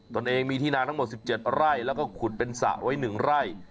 ตัวเองมีที่นาทั้งหมด๑๗ไร่แล้วก็ขุดเป็นสระไว้๑ไร่